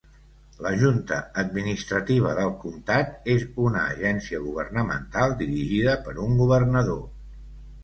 La Junta Administrativa del Comtat és una agència governamental dirigida per un governador.